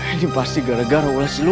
ini pasti gara gara oleh si lu